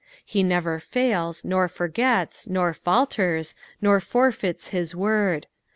He never fails, nor forgets, nor falters, nor forfeits hia word.